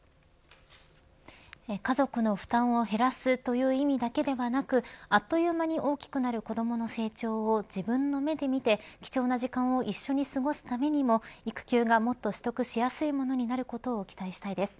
家族の負担を減らすという意味だけではなくあっという間に大きくなる子どもの成長を自分の目で見て貴重な時間を一緒に過ごすためにも育休がもっと取得しやすいものになることを期待したいです。